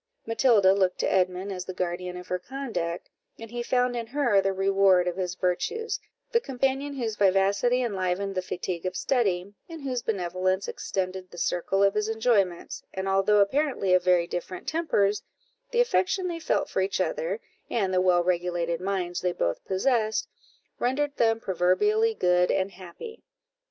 Matilda looked to Edmund as the guardian of her conduct, and he found in her the reward of his virtues, the companion whose vivacity enlivened the fatigue of study, and whose benevolence extended the circle of his enjoyments; and although apparently of very different tempers, the affection they felt for each other, and the well regulated minds they both possessed, rendered them proverbially good and happy.